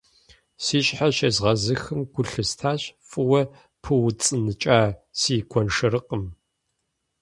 Си щхьэр щезгъэзыхым гу лъыстащ фӀыуэ пыуцӀыныкӀа си гуэншэрыкъым.